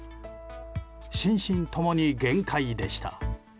心身共に限界でした。